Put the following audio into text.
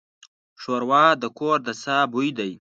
ښوروا د کور د ساه بوی دی.